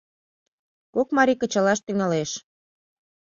Кок марий кычалаш тӱҥалеш.